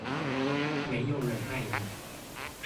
沒有人愛你